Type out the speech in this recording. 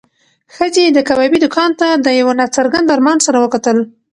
ښځې د کبابي دوکان ته د یو نا څرګند ارمان سره وکتل.